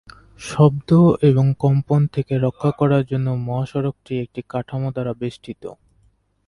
শব্দ এবং কম্পন থেকে রক্ষা করার জন্য মহাসড়কটি একটি কাঠামো দ্বারা বেষ্টিত।